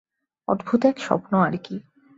অদ্ভুত এক স্বপ্ন আর কি।